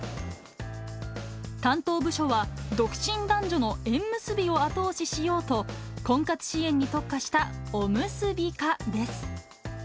担当部署は、独身男女の縁結びを後押ししようと、婚活支援に特化したお結び課です。